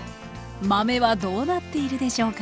豆はどうなっているでしょうか